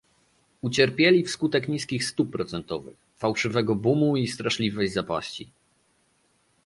Ucierpieli wskutek niskich stóp procentowych, fałszywego boomu i straszliwej zapaści